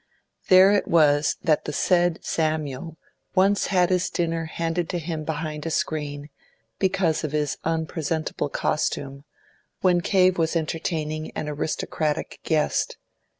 There it was that the said Samuel once had his dinner handed to him behind a screen, because of his unpresentable costume, when Cave was entertaining an aristocratic guest.